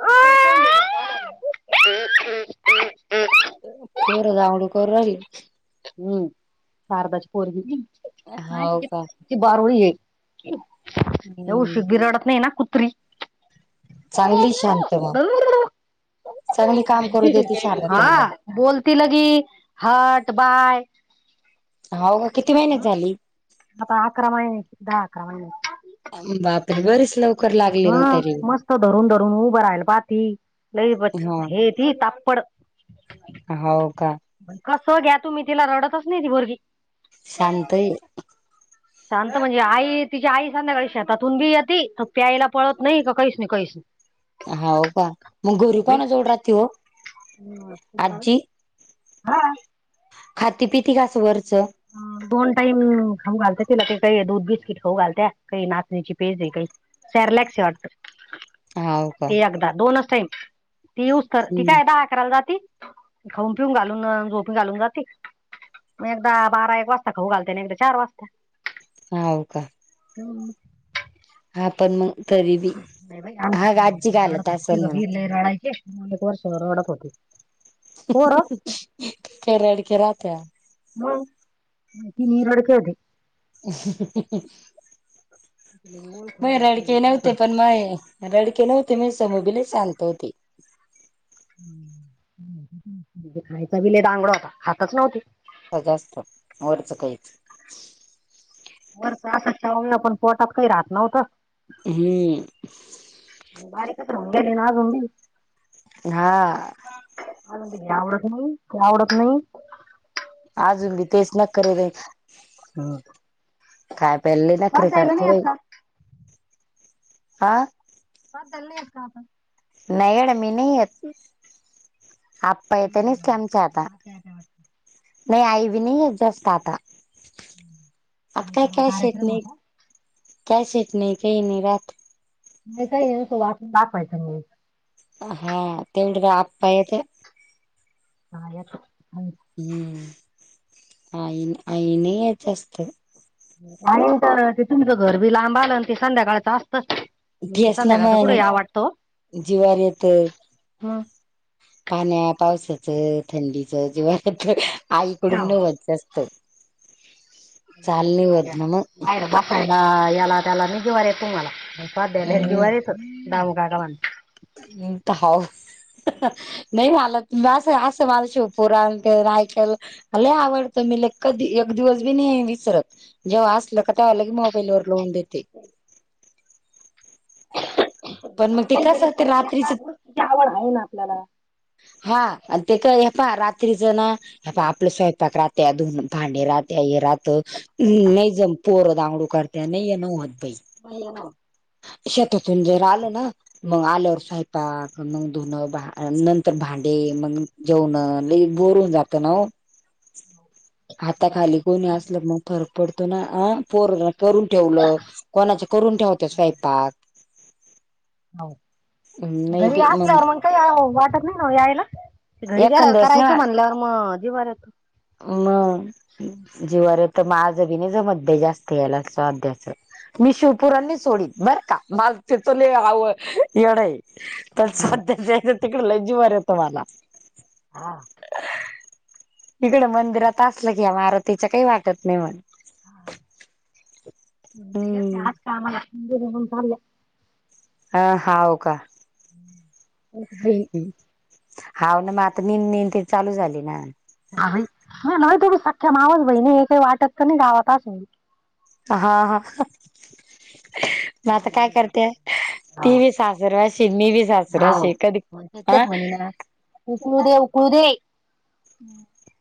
हम्म पोरं दागडू करू राहीली. हम्म शारदाची पोरंगी नाय हो का ती बारूळी आहे. हम्म येऊशीक बि रडत नाही ना कुत्री! चांगली शांत म चांगली काम करू देेते शारद हा तईला. बोलती लगी हट बाय हाव का किती महिन्याची झाली? आता अकरा महिन्याची दहा अकरा महिन्याची. बापरे बरेच लव हा मस्त धरून धरून उभं राहिला पाहती लई प हा हे ती तापड हो का! कसं घ्या तुम्ही तिला रडतच नाही ती पोरगी. शांत आहे. शांत म्हणजे आई तिची आई सांधाकाळी शेतातून बी येती प्यायला पळत नाही का काहीच नाही काहीच नाही. हाव का मग घरी कोंनाजवळ राहती व? हम् सुपडाबाई खाती पिती का आस वरचं? दोन टाईम खाऊ घालतिया तिला का काही दूध बिस्किट खाऊ घालतिया काही नाचणीची पेज आहे काही सरलॅक्स हाय वाटतं. हाव का ते एकदा दोनच टाईम ती युज कर, ती हम्म काय दहा अकराला जाती. खाऊन पिऊन घालून झोपीन घालून जाती. बारा एक वाजता खाऊ घालते आन एकदा चार वाजता. हाव का! हम्म! हा पण मग तरी बी नाही बाई आमची हा पोरं आजी लय रडत घालत होती ती आसण म्हणा. गभीर लय रडायचे मग एक वर्ष भर रडत होती. पोरं के रडकी राहतिया. हो माहितीय मी रडकी होती. तिला ओळखून माय घ्यायचे रडके नव्हते कोणाकडे पण माय रडकी नव्हती. मी समुबी लय शांत होती. [unintelligible] खायचा बी लय रांगडा होता. खातच नव्हती. जास्त. वरचं काहीच. वरच असं [unintelligible] पण पोटात काही राहत नव्हतं. हम्म. बारीक तर [inaudible] अजून बी. हा. [unintelligible] मनतय की, आवडत नाही? ते आवडत नाही? अजून बी तेच नखरेलयत. ह. काय पली नखरे करते नाही येत बाई. का हा. बसायला नाही येत का आपण? नाही गड्या, मी नाही येत. आप्पा नाही, येत्यानीच की, हा, आमचे आत्ता. आता येते वाटतं. नाही आई बी नाही जास्त आता आता काल काय परवा काय शेत कार्यक्रम नाय होता काय शेत नाय काय नाही राहत. नाही, काही तो वाचून दाखवायच मग. हा, तेवढ काय आप्पा येत. आर्या [unintelligible] हम्म. आईन -आईने यायचं असतं. आणि तर ते तुमचं घर बी लांब आलं. न ते संध्याकाळच अस्त ढयासनामा [unintelligible] जीवारी येत. मग पाण्या- पावसाचं, थंडीच, जीव्हार येतं. आईकडून नवलच असतं. [unintelligible] याला - त्याला मी जिवार येतो मला. [unintelligible] जिवार येतो. दामू काका [unintelligible] त हाव. [unintelligible] नाही माला असं, असं मानशिवपुरातं रायकल. लय आवडतं, मीले. कधी, एक दिवस बी नाही विसरत. जेव्हा असलं का, तेव्हा लगी मोबाईल वर लावून देते. पण मग ते कसं, ते रात्रीच हा. ते क ये पहा रात्रीच ना. हे पाहा, आपलं स्वयंपाक राहत्या. धून -भांडे राहात्या. हे राहात. नाही जम, पोर दांगडू करत त्याने येन होत बाई. [unintelligible] शेतातून जर आलं ना मग आल्यावर, स्वयंपाक. मग धुनं, भा नंतर भांडे मंग. जेवणं. लय बोअर होऊन जातं ना ओ. [inaudible] हाताखाली कोणी असल, मग फरक पडतो ना. आ पोर करून ठेवलं. कोणाचं करून ठेवत्या, स्वयंपाक. हो. नाही घरी बी असल्यावर, मग काही आओ वाटत नाही ओ यायला. घरी गेल्यावर एखांद्यास करायचं, म्हणल्यावर म जीवार येत. म. जीवार येतं. माझ बी नाही जमत बाई जास्त याला. स्वाध्याच. मी शिवपुरांनी सोडीन, बरंका. मग तीतं लय आवं येढय. तर स्वाध्याच्या जायचं, तिकड लय जीवार येतं मला. हा. इकडं मंदिरात असल की, या मारुतीच्या काही वाटत नाही मग. हा ते हम्म आज का मला [unintelligible] चालल्या. ह, हाव का? बहीण ह. हाव ना, मग आता मेन - मेन त चालू झाली ना? [inaudible] तुम्ही सख्या मावस बहीणीय, हे काही वाटत का नाही, गावात असून. हा, हा. [unintelligible] म हो आता काय करत्याय. ती वीस सासरवाशी न मी बी सासरवाशी कधी म्हणते तेच हं. उकळू दे उकळू दे. [inaudible]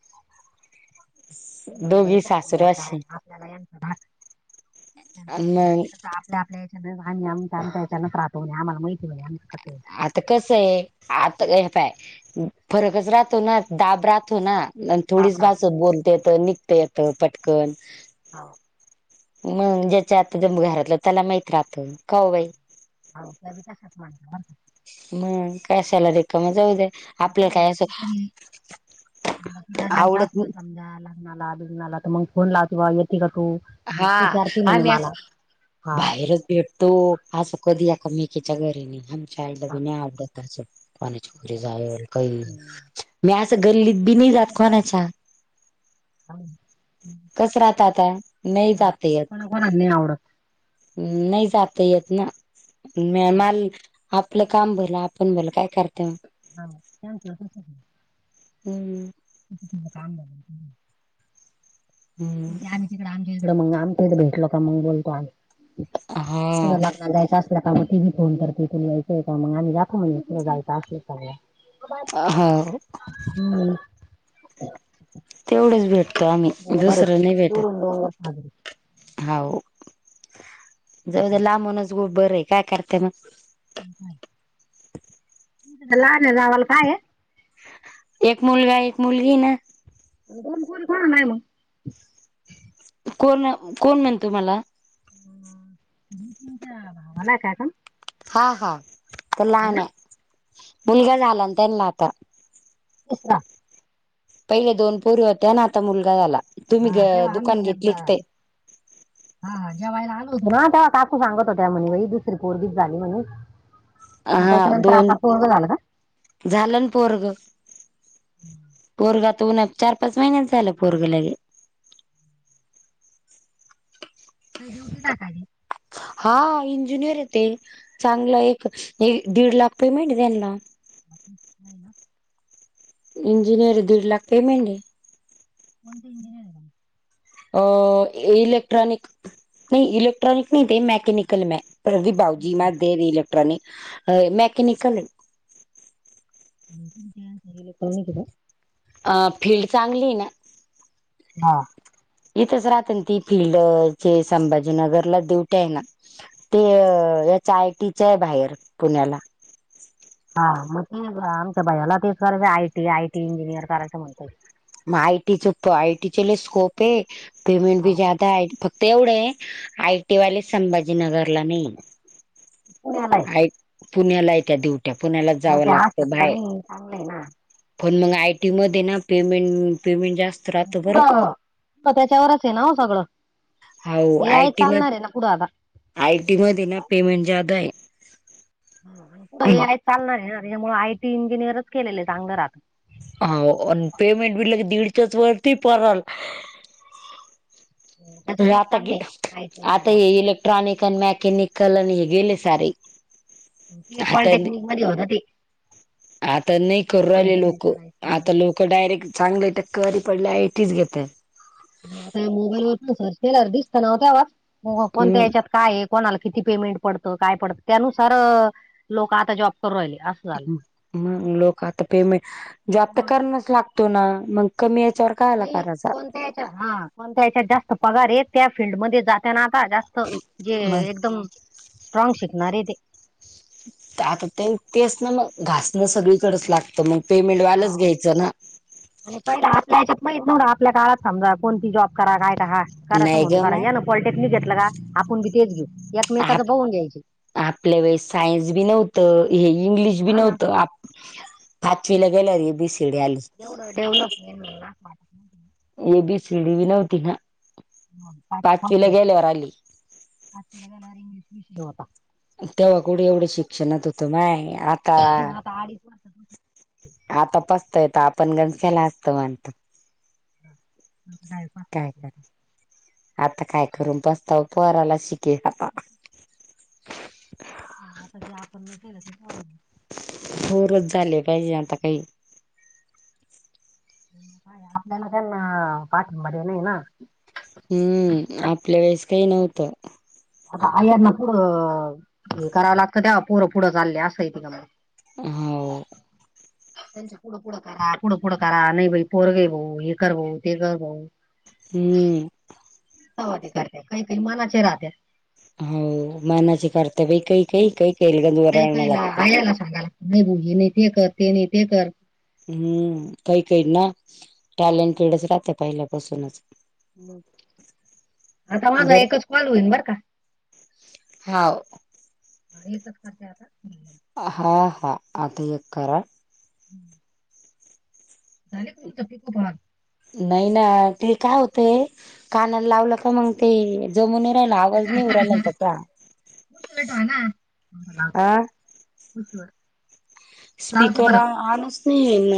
म्हणे बाई दोघी कसं हे आता सासरवाशी आहे, आपल्याला यांचं धाक आणि मग. लॅपलेच्यान ान्याम चचान त्याेच्यान प्रापोणे आमला माहिती व आ कत आहे. आता कस आहे आता हे पाय फरकच राहतो ना दाब राहतो ना. आणि बाप थोडीच राहतो भसत बोलते येत निघत येत पटकन. हो मग ज्याच्या आता ज घरातलं त्याला माहत राह का हो बाई. [inaudible] मग काशाला रिकाम जाऊ दे. आपल्याला काय म्हणा असं तु जायच अस आवडत समजायला. ला बिघनला तर मग फोन लावते बा येते का तू? हा विचारते म्हणे आम्ही मला अस हा बाहेरच भेटतो. तो असं कधी एकमेकींच्या घरीने काय तर बा हा मी आवडत असीन हम्म. [inaudible] गल्लीत बी नाय जात कोणाच्या. [inaudible] कस राहत आता नाही हो. जाता येत. कोणा कोणाला नाही आवडत नाही जात येत ना हो मेहमाल. आपलं काम भलं आपण भल काय करता. ह थँक्यू हम् काम ला. हम्म आम्ही तिकड आमच्या इकड मग आम भेटलो का मग बोलतो आम्ही. हा. त लग्न जायच असलं का मग तिी फोन कर तथून यायचंय का मगम्हीाखव म्हण तु जायं असल का म- हा हम् तेवढेच भेटतो आम्ही दुसरा नाही भेटत. अ [inaudible] हो जव लांबूनच गो बर आहे काय करते मग. [unintelligible] ला नाही जावाला काय? एक मुलगा एक मुलगी ना? दोन पोरी आहेत मग. कोण कोण म्हणतो मला? भावाला काय काण. हा हा तर लहान आहे मुलगा झाला ना त्यांना आता. हो का. पहिले दोन पोरी होत्या ना आता मुलगा झाला तुम्ही हा ग तेव्हा दुकान आम्ही घेतली क एकदा ते- [inaudible] हा जे्वायला आलो होत ना तेव्हा काकू सांगत हो त्या म्ह दुसरी पोरगीत झाली म्हणून. मग त्याच्यानंतर आता पोररग झाला का? झालंन पोरग. हम्म पोरग आत हुन चार पाच महिन्यात झालं पोरग लागे. काय डिवटि ला? हा इंजिनियर येत. चांगलं एक दीड लाख पेमेंट आहे तेन्ह- नाही ना. इंजिनीर दीड लाख पेमेंट आहे. कोनते इंजिनिअर? अ इलेक्ट्रॉनिक नाही इलेक्ट्रॉनिक नाही ते मॅकॅनिकल म- प्रदीप भाऊजी म दे र इलक्ट्रॉनिक अ मॅकनिकल ले पण का अ फिल्ड चांगली ना हा इथच राहते ना ती फिल्डचे संभाजीनगरला डीवट्या आहे ना ते याच आय टीच्या आहे बाहेर पुण्याला. हा मग ते आमच्या बायला तेच करायचं आयटी आयटी इंजिनियर करायचं म्हणतय. मग आयटी च आयटी स्कोप आहे पेमेंट भी हो. ज- आता फक्त एवढे आयटी वाले संभाजीनगरला नाही. पुण्यालाय पुण्याला येत्या डिवट्या पुण्याला हा, जावं ते असतात लागतं का बाहेर. नाही चांगलं आहे ना पण मग आयटी मध्ये ना पेमेंट पेमेंट जास्त- राहतं बरं त्याच्यावरच आहे ना सगळं हे आय चालणार आहे ना- कूडा आ आय टी मध्ये ना पेमेंट जादा आहे. य चालणार आहे ना त्याच्यामुळे आयटी इंजिनियरच केलेलं आहे चांगलं राहत. हा पेमेंट बि लगे दीडच्याच वरती पल- त्याचं तेच आता चाललंय आय टी आता इंजिनियर येईल. क्ट्रॉनिक आणि मॅकॅनिकल आणि गेले सारे ते आता पॉलिटेक्निक मध्ये होत ते आता नाही करू राहिले पॉलिटेक्निक लोक आता करायचं लोक डायरेक्ट चांगले टक्कवारी पडल्यातीच घेत आता मोबाईलवर सर्च केल्यावर दिसत नाव्हतवाज कोण त्या याच्यात हम्म काय कोणाला किती पेमेंट पडतं काय पडतं त्यानुसार लोक आता जॉब करू राहिले अस म लोक आता पेमेंट जबत मग करणच लागतो ना मग कमी याच्यावर कायला करायचा कोणत्याच्या हा कोणत्या या्याच्यात जास्त पगार आहे त्या फिल्डमध्येध्ये जातानाका जास्त जे मग एकदम स्ट्रॉग शिकणार आहे ते आता ते तेच ना मग घासणं सगळीकडेच लागतं मग पेमेंट वालाच हो. घ्यायचं ना आणि आपल्या काळात समजा कोणती जॉब करा काय का हा कराचं नाही म्हणून ग करा माय या ना पॉलिटेक्निक घेतलं का आपण बी तेच घेऊ एकमेकाच आप बघून घ्यायचे आपल्या वेळेस सायन्स बी नव्हतं हे इंग्लिश बी हा ना नव्हत पाचवीला गेल्या रे बीसिडी आली एवढं डेव्हलपमेंट म्ह ए बी सीडी बी नव्हती ना पाचवीला गेल्यावर आली आलार इंग्लिश विषय होता तेव्हा कुढे एवढं शिक्षणात होतं माय आ ह आता अडीच वाट आता पसतयेत आपण गम केला असत म्हणत ह हा काय कर आता काय करून बसता पराला शिक ग ह आता जे आपण नाही केलं ते को होरच झाले पाहिजे आता काही आपल्याला ना पाठबर ये नाहीय ना हम्म आपल्या वेळेस काही नव्हतं आता आयना पुढं हे करावं लागतं त्याव पोरं पुढं चालले असं येते का मग हा [inaudible] त्यां पुढं पुढं करा. पुढं पुढं करा. नाही बाई पोरगे भाऊ हे कर भाऊ. ते कर भाऊ. हम्म. तवा ते करत्या. काही काही मनाचे राहत्या. होव मनाचे करत्या बाई काही काही. काही काहीला गंज वरळन लागतं. त्यांना सांगाला. नाही भाऊ हे नाही ते कर. ते नाही ते कर. हम्म. काही काही ना. टॅलेंटेडच राहत्या पहिल्यापासूनच. आता माझा एकच कॉल होईन बरं का? हाव. एकच करते आता. हा हा. आता एक करा. हम्म [inaudible] झाले का? तुमचे पिको फॉल. नाही ना ते काय होतेय. कानान लावलं का मंग ते जमूनही राहिल. आवाज नाही येउ राहिला नं तेचा. नाला खशवर [unintelligible] स्पीकर आ आणच नाहीये